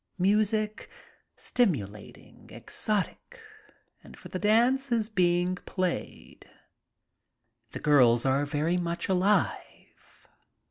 Music, stimulating, exotic, and for the dance, is being played. The girls are very much alive.